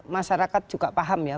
masyarakat juga paham ya